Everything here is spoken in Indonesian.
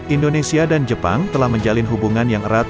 indonesia dan jepang telah menjalin hubungan yang erat